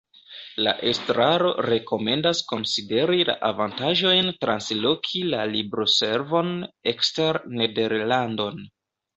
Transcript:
La estraro rekomendas konsideri la avantaĝojn transloki la Libroservon ekster Nederlandon.